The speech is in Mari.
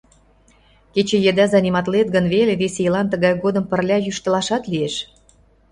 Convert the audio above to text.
Кече еда заниматлет гын веле, вес ийлан тыгай годым пырля йӱштылашат лиеш.